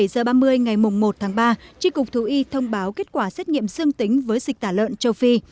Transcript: một mươi bảy h ba mươi ngày một tháng ba tri cục thú y thông báo kết quả xét nghiệm xương tính với dịch tả lợn châu phi